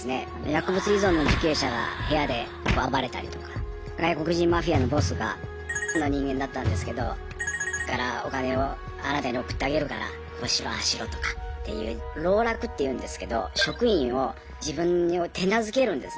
薬物依存の受刑者が部屋で暴れたりとか外国人マフィアのボスがの人間だったんですけどからお金をあなたに送ってあげるからこうしろああしろとかっていう籠絡っていうんですけど職員を自分に手なずけるんですねうまく。